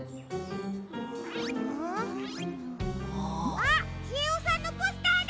あっちえおさんのポスターだ！